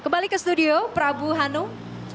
kembali ke studio prabu hanum